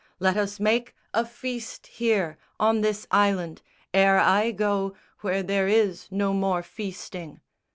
Let us make A feast here, on this island, ere I go Where there is no more feasting."